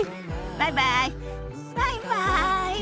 バイバイ。